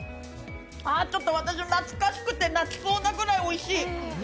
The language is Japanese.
ちょっと私、懐かしくて泣きそうなくらいおいしい。